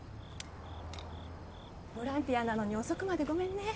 ボランティアなのに遅くまでごめんね。